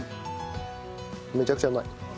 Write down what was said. めちゃくちゃうまい。